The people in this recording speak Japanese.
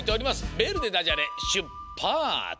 「ベル」でダジャレしゅっぱつ！